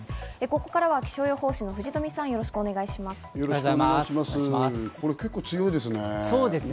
ここからは気象予報士の藤富さん、よろしくお願いします。